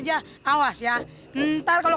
agak agak tak isu